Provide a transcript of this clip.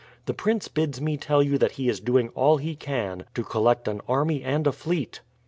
The prince bids me tell you that he is doing all he can to collect an army and a fleet.